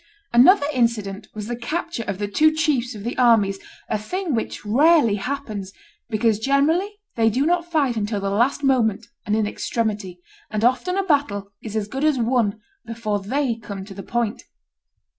... Another incident was the capture of the two chiefs of the armies, a thing which rarely happens, because generally they do not fight until the last moment and in extremity; and often a battle is as good as won before they come to this point.